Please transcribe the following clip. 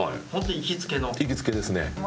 行きつけですね。